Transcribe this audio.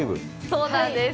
そうなんです。